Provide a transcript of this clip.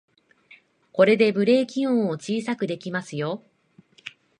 これでブレーキ音を小さくできますよ